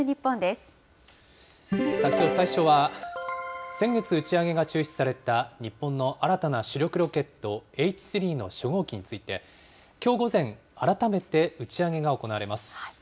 きょう最初は、先月打ち上げが中止された日本の新たな主力ロケット、Ｈ３の初号機について、きょう午前、改めて打ち上げが行われます。